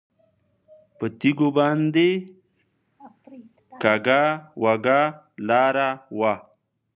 پر تیږو باندې کږه وږه لاره وه.